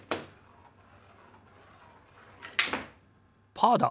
パーだ！